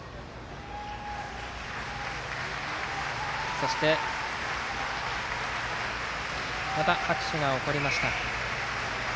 そしてまた拍手が起こりました。